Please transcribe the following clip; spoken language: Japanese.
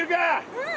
うん！